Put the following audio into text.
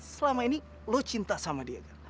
selama ini lo cinta sama dia kan